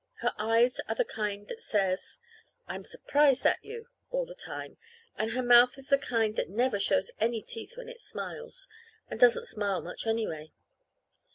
Her eyes are the kind that says, "I'm surprised at you!" all the time, and her mouth is the kind that never shows any teeth when it smiles, and doesn't smile much, anyway.